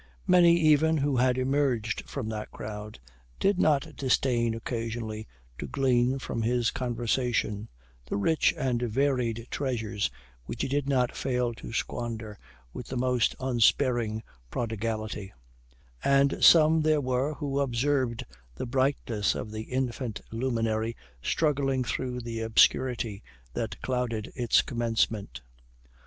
Many even who had emerged from that crowd, did not disdain occasionally to glean from his conversation the rich and varied treasures which he did not fail to squander with the most unsparing prodigality; and some there were who observed the brightness of the infant luminary struggling through the obscurity that clouded its commencement.